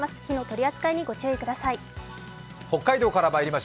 火の取り扱いにご注意ください。